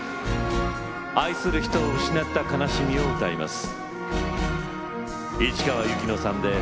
愛する人を失った悲しみを歌います。